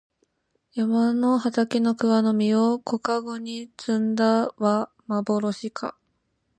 山の畑の桑の実を小かごに摘んだはまぼろしか